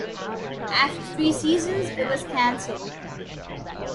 After three seasons, it was canceled.